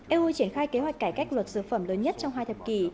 eu triển khai kế hoạch cải cách luật dược phẩm lớn nhất trong hai thập kỷ